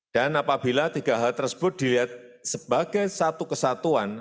dan apabila tiga hal tersebut dilihat sebagai satu kesatuan